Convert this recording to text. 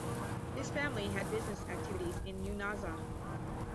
His family had business activities in Unaizah.